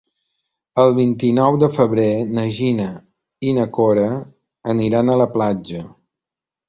El vint-i-nou de febrer na Gina i na Cora aniran a la platja.